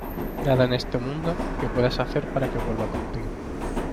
nada en este mundo, que puedas hacer para que vuelva contigo.